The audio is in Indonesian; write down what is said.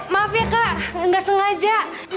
maaf ya kak nggak sengaja